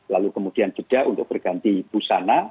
lalu kemudian beda untuk berganti pusana